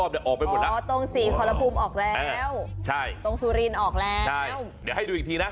เดี๋ยวให้ดูอีกทีนะ